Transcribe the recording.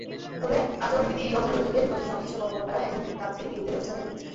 তবে আচরণবিধি লঙ্ঘনের অভিযোগে নির্বাচনসংশ্লিষ্ট কর্মকর্তারা এখনো কোনো প্রার্থীর বিরুদ্ধে ব্যবস্থা নেননি।